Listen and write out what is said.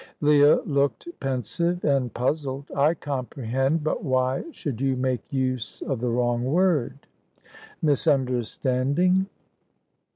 Leah looked pensive and puzzled. "I comprehend; but why should you make use of the wrong word?" "Misunderstanding?"